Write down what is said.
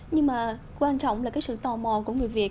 nhưng mà quan trọng là cái sự tò mò của người việt